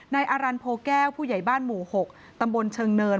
นายอารันโพแก้วผู้ใหญ่บ้านหมู่๖ตำบลเชิงเนิน